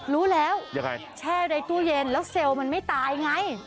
รู้แล้วยังไงแช่ในตู้เย็นแล้วเซลล์มันไม่ตายไง